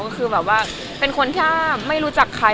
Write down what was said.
ก็คือแบบว่าเป็นคนที่ไม่รู้จักใคร